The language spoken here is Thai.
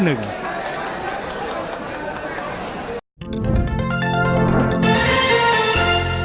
โปรดติดตามตอนต่อไป